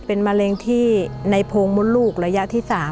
เป็นมะเร็งที่ในโพงมดลูกระยะที่๓